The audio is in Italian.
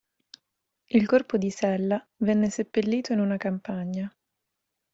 Il corpo di Sella venne seppellito in una campagna.